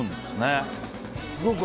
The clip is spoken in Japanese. すっごい！